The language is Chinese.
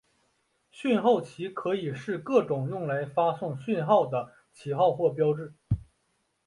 讯号旗可以是任何各种用来发送讯号的旗号或标志。